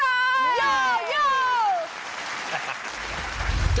โอ้โฮโอ้โฮ